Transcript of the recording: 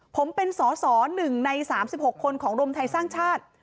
ผมเป็นสอสอ๑ใน๓๖คนของรวมไทยสร้างชาติ